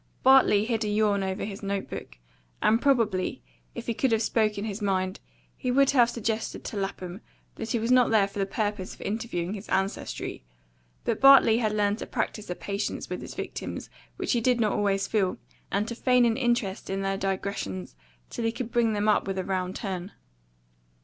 Bartley hid a yawn over his note book, and probably, if he could have spoken his mind, he would have suggested to Lapham that he was not there for the purpose of interviewing his ancestry. But Bartley had learned to practise a patience with his victims which he did not always feel, and to feign an interest in their digressions till he could bring them up with a round turn.